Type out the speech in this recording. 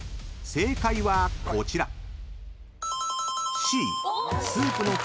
［正解はこちら］